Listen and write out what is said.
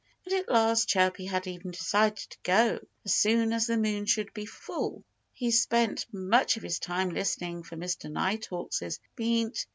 And at last Chirpy had even decided to go as soon as the moon should be full. He spent much of his time listening for Mr. Nighthawk's _Peent!